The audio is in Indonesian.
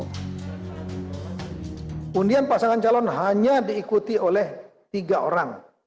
kemudian pasangan calon hanya diikuti oleh tiga orang